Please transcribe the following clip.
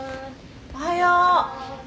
おはよう。